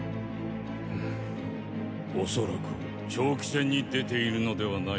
恐らく長期戦に出ているのではない。